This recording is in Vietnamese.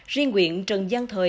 riêng quyện trần giang thời